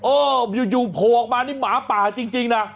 โอ้อยู่โผลกมามัหาป่าจริงนะ